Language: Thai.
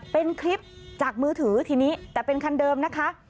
เป็นคลิปจากมือถือทีนี้แต่เป็นคันเดิมนะคะ